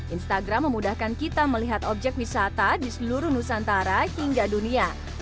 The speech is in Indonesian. instagram memudahkan kita melihat objek wisata di seluruh nusantara hingga dunia